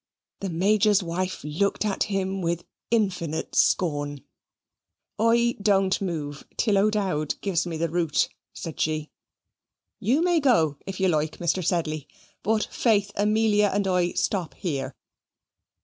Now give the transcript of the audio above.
The Major's wife looked at him with infinite scorn. "I don't move till O'Dowd gives me the route," said she. "You may go if you like, Mr. Sedley; but, faith, Amelia and I stop here."